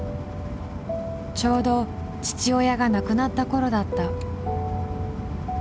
ちょうど父親が亡くなったころだった。